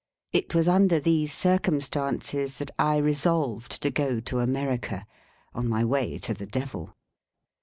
It was under these circumstances that I resolved to go to America on my way to the Devil.